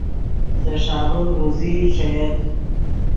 سے ݰابیک روزئی ݯییت